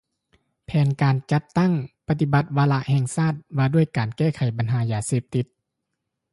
ແຜນການຈັດຕັ້ງ ປະຕິບັດວາລະແຫ່ງຊາດ ວ່າດ້ວຍການແກ້ໄຂບັນຫາຢາເສບຕິດ